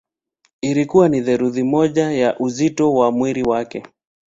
Ilikuwa ni theluthi moja ya uzito wa mwili wake.